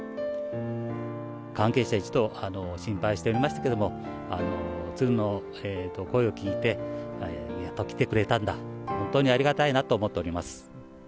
関係者一同、心配しておりましたけれども、ツルの声を聞いて、やっと来てくれたんだ、本当にありがたいなと思っております。